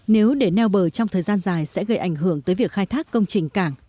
nếu để neo bờ trong thời gian dài sẽ gây ảnh hưởng tới việc khai thác công trình cảng